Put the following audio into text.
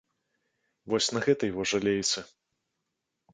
Вось на гэтай во жалейцы.